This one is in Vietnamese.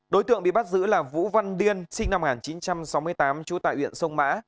đối tượng bị bắt giữ là vũ văn điên sinh năm một nghìn chín trăm sáu mươi tám trú tại huyện sông mã